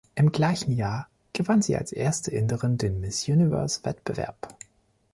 Im gleichen Jahr gewann sie als erste Inderin den Miss-Universe-Wettbewerb.